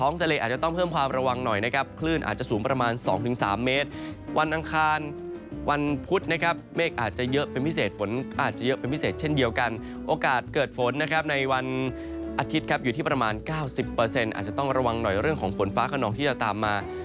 ในวันอาทิตย์ครับอยู่ที่ประมาณ๙๐เปอร์เซ็นต์อาจจะต้องระวังหน่อยเรื่องของฝนฟ้าขนองที่จะตามมา